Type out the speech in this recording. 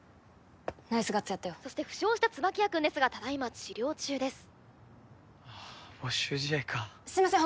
ナイスガッツやったよそして負傷した椿谷くんですがただいま治療中ですああ没収試合かすいません